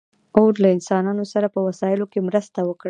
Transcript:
اور له انسانانو سره په وسایلو کې مرسته وکړه.